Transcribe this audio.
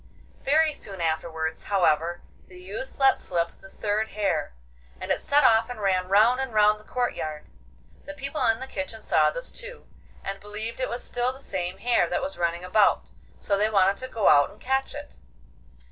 Very soon afterwards, however, the youth let slip the third hare, and it set off and ran round and round the courtyard. The people in the kitchen saw this too, and believed that it was still the same hare that was running about, so they wanted to go out and catch it.